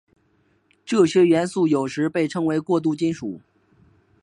这些元素有时也被称作过渡金属。